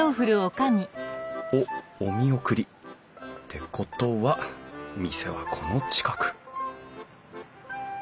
おっお見送り。ってことは店はこの近く！